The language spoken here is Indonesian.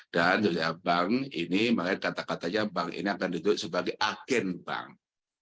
juga bank ini makanya kata katanya bank ini akan duduk sebagai agen bank